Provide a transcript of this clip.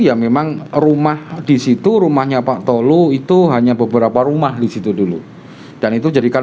ya memang rumah disitu rumahnya pak tolu itu hanya beberapa rumah disitu dulu dan itu jadikan